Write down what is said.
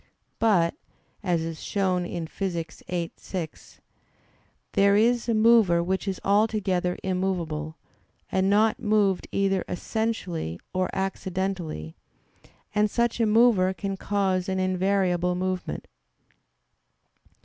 But, as is shown in Phys. viii, 6, there is a mover which is altogether immovable, and not moved either essentially, or accidentally; and such a mover can cause an invariable movement.